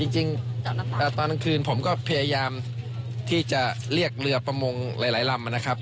จริงตอนกลางคืนผมก็พยายามที่จะเรียกเรือประมงหลายลำนะครับ